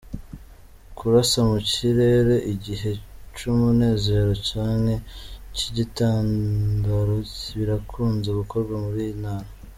Kurasa mu kirere igihe c'umunezero canke c'ikigandaro birakunze gukogwa muri iyo ntara.